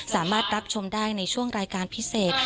สามารถรับชมได้ในช่วงรายการพิเศษ